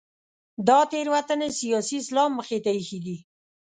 دا تېروتنې سیاسي اسلام مخې ته اېښې دي.